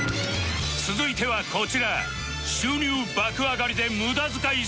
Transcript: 続いてはこちら